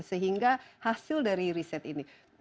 sehingga hasil dari riset ini